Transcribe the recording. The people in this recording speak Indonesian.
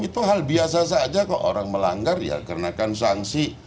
itu hal biasa saja kalau orang melanggar ya karenakan sanksi